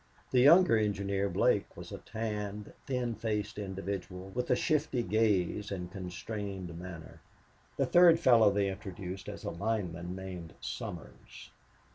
The younger engineer, Blake, was a tanned, thin faced individual, with a shifty gaze and constrained manner. The third fellow they introduced as a lineman named Somers.